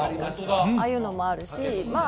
ああいうのもあるしま